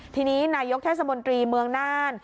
ทีนี้นายกเทศมนตรีเมืองน่าน